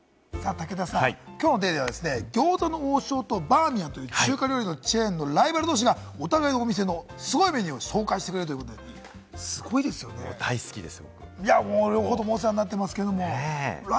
武田さん、きょうの『ＤａｙＤａｙ．』は、餃子の王将とバーミヤンという中華料理のチェーンのライバル同士がお互いのお店のすごいメニューを紹介してくれるということで、大好きです。